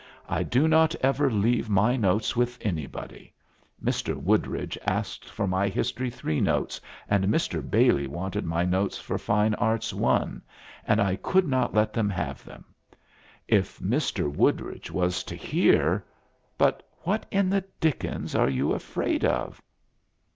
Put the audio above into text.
"I do not ever leave my notes with anybody. Mr. Woodridge asked for my History 3 notes, and Mr. Bailey wanted my notes for Fine Arts 1, and I could not let them have them. If Mr. Woodridge was to hear " "But what in the dickens are you afraid of?"